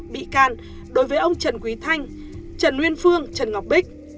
bị can đối với ông trần quý thanh trần nguyên phương trần ngọc bích